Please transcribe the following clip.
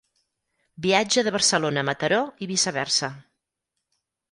Viatge de Barcelona a Mataró, i viceversa.